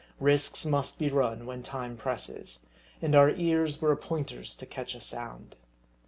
Risks must be run, when time presses. And our ears were a pointer's to catch a sound.